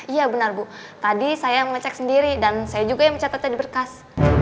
iya benar bu tadi saya mengecek sendiri dan saya juga yang mencatat tadi berkas